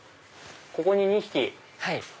ここに２匹。